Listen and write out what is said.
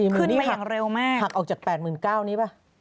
ขึ้นมาอย่างเร็วมาก๔๐๐๐๐นี้ค่ะหักออกจาก๘๙๐๐๐นี้ปะ